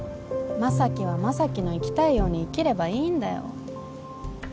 正樹は正樹の生きたいように生きればいいんだよ